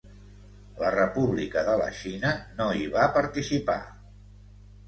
La República de la Xina no hi va participar.